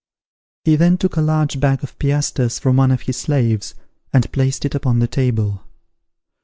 He then took a large bag of piastres from one of his slaves, and placed it upon the table.